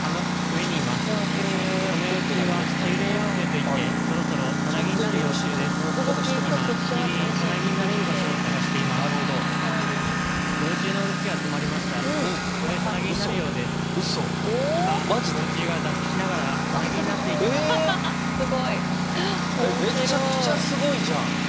えっめちゃくちゃすごいじゃん。